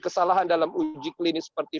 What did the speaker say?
kesalahan dalam uji klinis seperti